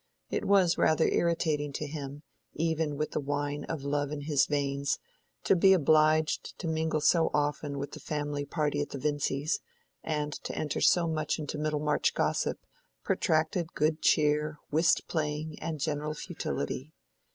It was rather irritating to him, even with the wine of love in his veins, to be obliged to mingle so often with the family party at the Vincys', and to enter so much into Middlemarch gossip, protracted good cheer, whist playing, and general futility.